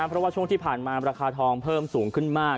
เพราะว่าช่วงที่ผ่านมาราคาทองเพิ่มสูงขึ้นมาก